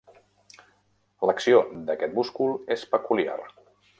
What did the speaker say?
L'acció d'aquest múscul és peculiar.